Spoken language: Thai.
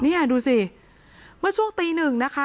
นี่ดูสิเมื่อช่วงตีหนึ่งนะคะ